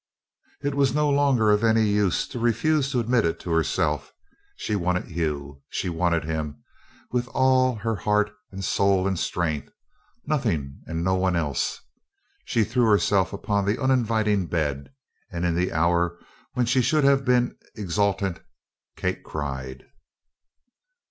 It was no longer of any use to refuse to admit it to herself she wanted Hugh. She wanted him with all her heart and soul and strength, nothing and no one else. She threw herself upon the uninviting bed, and in the hour when she should have been exultant Kate cried.